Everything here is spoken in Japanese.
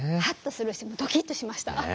ハッとするしドキッとしました。